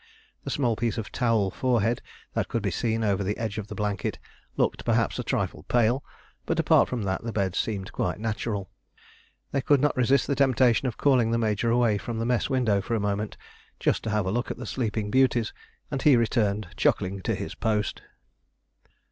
The small piece of towel forehead that could be seen over the edge of the blanket looked perhaps a trifle pale, but, apart from that, the beds seemed quite natural. They could not resist the temptation of calling the Major away from the mess window for a moment, just to have a look at the sleeping beauties, and he returned chuckling to his post.